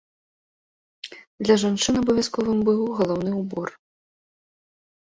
Для жанчын абавязковым быў галаўны ўбор.